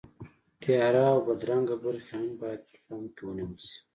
تیاره او بدرنګه برخې هم باید په پام کې ونیول شي.